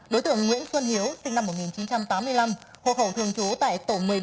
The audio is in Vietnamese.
đối tượng nguyễn xuân hiếu sinh năm một nghìn chín trăm tám mươi năm hộ khẩu thường trú tại tổ một mươi bảy